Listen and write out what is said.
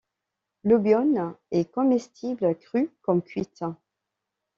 L'obione est comestible crue ou cuite.